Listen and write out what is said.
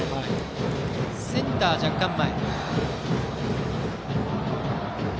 センターが若干前。